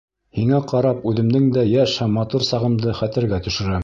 Һиңә ҡарап, үҙемдең дә йәш һәм матур сағымды хәтергә төшөрәм.